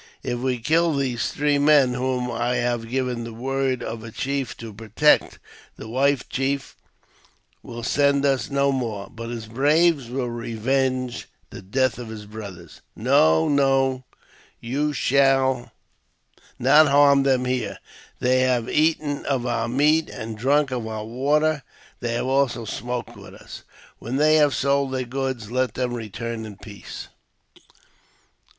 If we kill these three men, whom I have given the word of a chief to protect, the white chief will send us no more, but his braves will revenge the death of their brothers. No, no ; you shall not harm them here. They have eaten of our meat and drunk JAMES P. BECKWOUBTH. 113 of our water ; they have also smoked with us. When they have sold their goods let them return in peace."